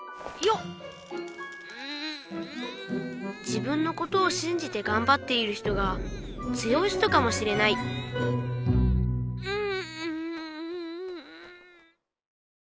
自分のことをしんじてがんばっている人が強い人かもしれないんん！